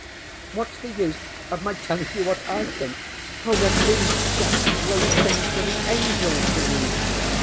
ŌĆ£WhatŌĆÖs the use of my telling you what I think, when these chaps wrote things for the angels to read?